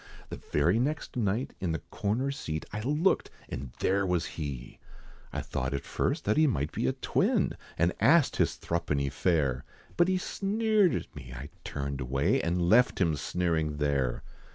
The very next night, in the corner seat, I looked, and there was he! I thought at first that he might be a twin, And asked his thruppeny fare, But he sneered at me, I turned away, And left him sneering there!